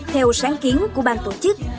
theo sáng kiến của ban tổ chức